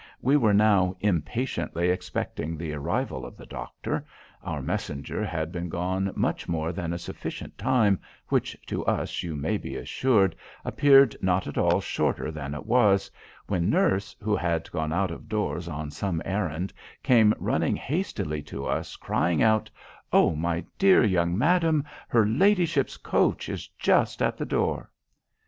"We were now impatiently expecting the arrival of the doctor; our messenger had been gone much more than a sufficient time, which to us, you may be assured, appeared not at all shorter than it was, when nurse, who had gone out of doors on some errand, came running hastily to us, crying out, 'O my dear young madam, her ladyship's coach is just at the door!